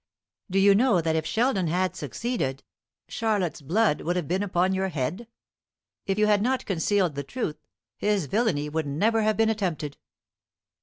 Do you know that if Sheldon had succeeded, Charlotte's blood would have been upon your head? If you had not concealed the truth, his villany would never have been attempted."